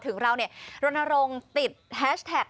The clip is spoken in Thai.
ถึงเรารณรงค์ติดแฮชแท็ก